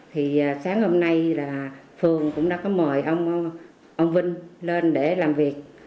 thì sáng hôm nay là phường cũng đã có mời ông vinh lên để làm việc